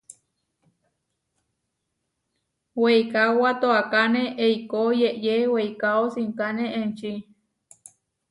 Weikáoba toakáne eikó yeʼyé weikáo sinkáne enči.